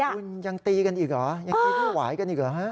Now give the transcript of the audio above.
คุณยังตีกันอีกหรอยังตีกันหวายกันอีกหรอ